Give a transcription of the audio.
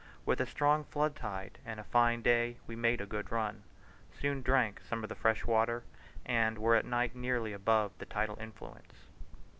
With a strong flood tide and a fine day we made a good run, soon drank some of the fresh water, and were at night nearly above the tidal influence.